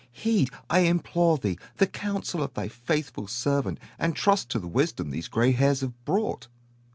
Heed, I implore thee, the counsel of thy faithful servant, and trust to the wisdom these gray hairs have brought.